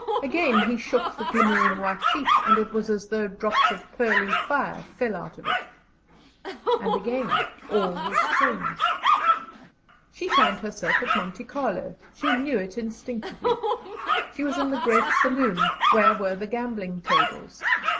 Again he shook the glimmering white sheet, and it was as though drops of pearly fire fell out of it. And again all was changed. She found herself at Monte Carlo; she knew it instinctively. She was in the great saloon, where were the gaming tables.